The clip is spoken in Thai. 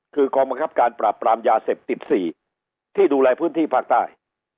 คือกองบังคับการปราบปรามยาเสพติด๔ที่ดูแลพื้นที่ภาคใต้